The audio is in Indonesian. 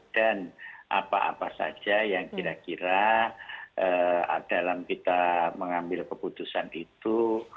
dan apa apa saja yang kira kira dalam kita mengambil keputusan itu